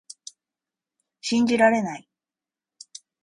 信じられない